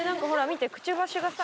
見てくちばしがさ。